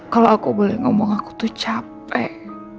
kalau aku boleh ngomong aku tuh capek